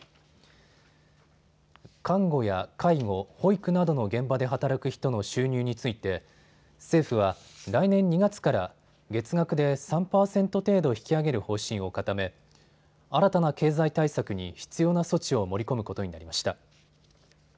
看護や介護、保育などの現場で働く人の収入について政府は来年２月から月額で３％程度引き上げる方針を固め、新たな経済対策に必要な措置を盛り込むことになりました。